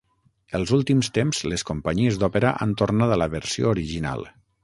Els últims temps les companyies d'òpera han tornat a la versió original.